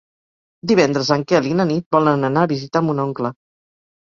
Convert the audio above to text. Divendres en Quel i na Nit volen anar a visitar mon oncle.